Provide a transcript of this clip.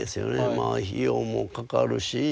まあ費用もかかるし。